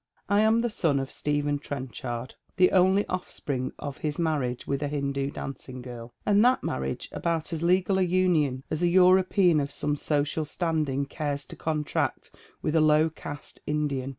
" I am the son of Stephen Trenchard, the only offspring of his "narriage with a Hindoo dancing girl, and that marriage about as legal an union as a European of some social standing cares U contract Avith a low caste Indian.